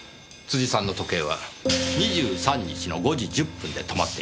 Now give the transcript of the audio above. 辻さんの時計は２３日の５時１０分で止まっていました。